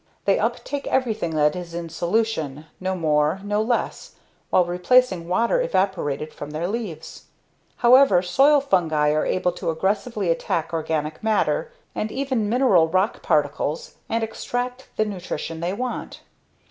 They uptake everything that is in solution, no more, no less while replacing water evaporated from their leaves. However, soil fungi are able to aggressively attack organic matter and even mineral rock particles and extract the nutrition they want.